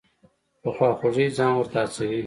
په خواخوږۍ ځان ورته هڅوي.